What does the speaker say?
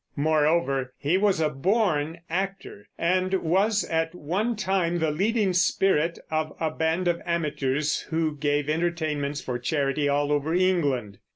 Moreover he was a born actor, and was at one time the leading spirit of a band of amateurs who gave entertainments for charity all over England.